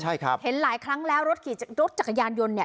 ใช่ครับเห็นหลายครั้งแล้วรถขี่รถจักรยานยนต์เนี่ย